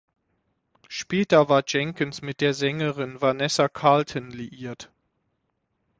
Später war Jenkins mit der Sängerin Vanessa Carlton liiert.